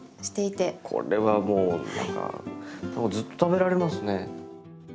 これはもう何かずっと食べられますね。